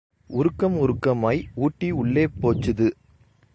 உருக்கம் உருக்கமாய் ஊட்டி உள்ளே போச்சுது.